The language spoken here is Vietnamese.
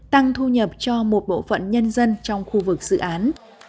tăng thu nhập cho một bộ phận nhân dân trong khu vực dự án